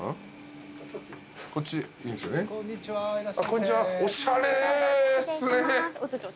こんにちはおしゃれっすね。